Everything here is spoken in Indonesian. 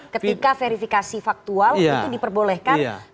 ketika verifikasi faktual itu diperbolehkan